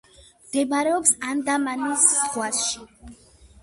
მდებარეობს ანდამანის ზღვაში.